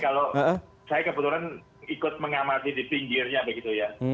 kalau saya kebetulan ikut mengamati di pinggirnya begitu ya